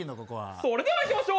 それではいきましょう。